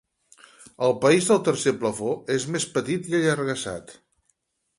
El país del tercer plafó és més petit i allargassat.